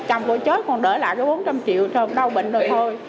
chồng cô chết còn đỡ lại cái bốn trăm linh triệu đau bệnh rồi thôi